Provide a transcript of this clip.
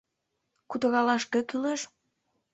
Кутыралаш кӧ кӱлеш?